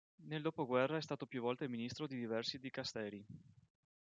Nel dopoguerra è stato più volte ministro di diversi dicasteri.